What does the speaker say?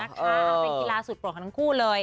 เป็นกีฬาสุดโปรดของทั้งคู่เลย